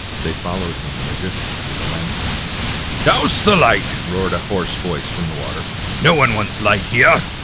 They fol lowed him at a distance with a lantern. " Dowse ^ the light !" roared the hoarse voice from the water. " No one wants light here